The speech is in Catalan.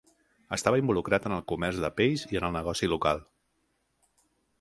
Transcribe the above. Estava involucrat en el comerç de pells i en el negoci local.